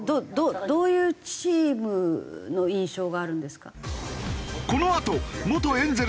どういうチームの印象があるんですか？